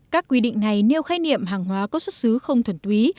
các quy định này nêu khai niệm hàng hóa có xuất xứ không thuần túy